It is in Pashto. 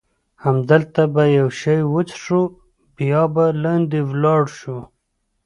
همدلته به یو شی وڅښو، بیا به لاندې ولاړ شو.